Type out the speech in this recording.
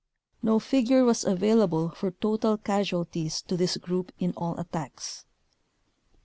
No figure was available for total casualties to this group in all attacks.